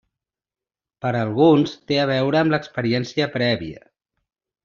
Per a alguns té a veure amb l'experiència prèvia.